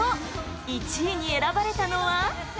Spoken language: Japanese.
１位に選ばれたのは？